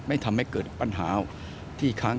ทำให้เกิดปัญหาที่ค้าง